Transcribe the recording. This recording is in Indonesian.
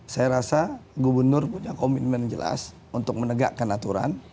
saya rasa gubernur punya komitmen jelas untuk menegakkan aturan